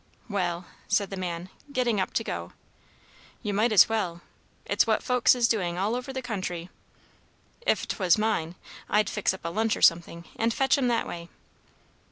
"Well," said the man, getting up to go, "you might as well. It's what folks is doing all over the country. If 't was mine, I'd fix up a lunch or something, and fetch 'em that way."